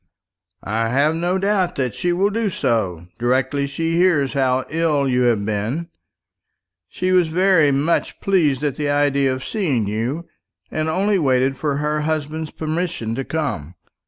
"I have no doubt that she will do so, directly she hears how ill you have been. She was very much pleased at the idea of seeing you, and only waited for her husband's permission to come.